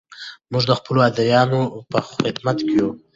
موږ د خپلو ادیبانو په خدمت کې یو.